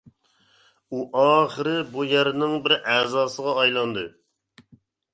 ئۇ ئاخىرى بۇ يەرنىڭ بىر ئەزاسىغا ئايلاندى.